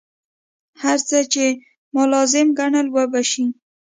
هر څه چې ما لازم ګڼل وبه شي.